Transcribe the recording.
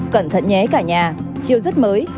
cẩn thận nhé cả nhà chiêu rất mới